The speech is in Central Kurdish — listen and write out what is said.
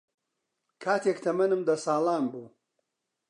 کاتێک تەمەنم دە ساڵان بوو